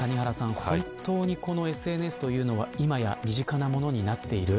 本当に、ＳＮＳというのは今や、身近なものになっている。